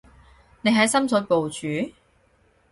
你喺深水埗住？